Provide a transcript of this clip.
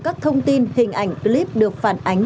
các thông tin hình ảnh clip được phản ánh